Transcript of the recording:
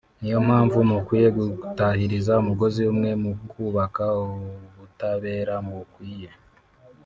niyo mpamvu mukwiye gutahiriza umugozi umwe mu kubaha ubutabera bukwiye